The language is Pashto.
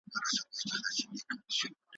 د هغو کسانو په زړونو `